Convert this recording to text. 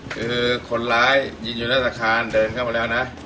คือคนร้ายยิงอยู่ในสถานเดินเข้ามาแล้วนะ